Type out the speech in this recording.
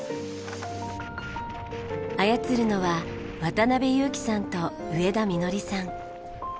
操るのは渡部雄貴さんと植田実さん。